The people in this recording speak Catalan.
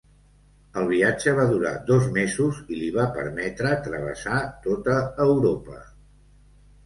El viatge va durar dos mesos i li va permetre travessar tota Europa.